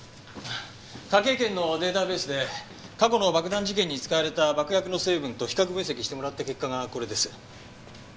科警研のデータベースで過去の爆弾事件に使われた爆薬の成分と比較分析してもらった結果がこれです。